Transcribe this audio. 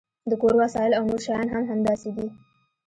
د کور وسایل او نور شیان هم همداسې دي